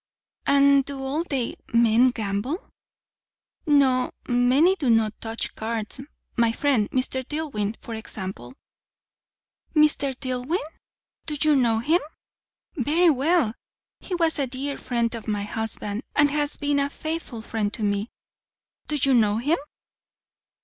"And do all the men gamble?" "No. Many do not touch cards. My friend, Mr. Dillwyn, for example." "Mr. Dillwyn? Do you know him?" "Very well. He was a dear friend of my husband, and has been a faithful friend to me. Do you know him?"